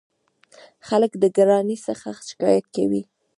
خلک د ګرانۍ څخه شکایت کوي.